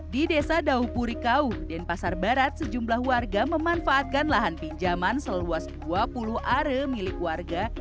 di desa daupurikau denpasar barat sejumlah warga memanfaatkan lahan pinjaman seluas dua puluh are milik warga